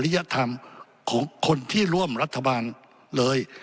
ยธรรมของคนที่ร่วมรัฐบาลเลย